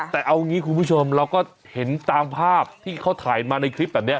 แต่เอางี้คุณผู้ชมเราก็เห็นตามภาพที่เขาถ่ายมาในคลิปแบบนี้